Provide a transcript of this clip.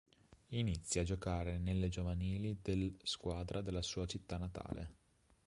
Inizia a giocare nelle giovanili dell', squadra della sua città natale.